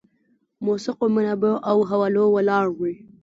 موثقو منابعو او حوالو ولاړ وي.